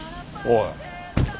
おい。